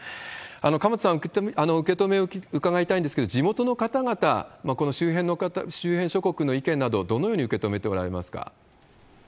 鎌田さん、受け止めを伺いたいんですけど、地元の方々、この周辺諸国の意見など、どのように受け止めておられますか。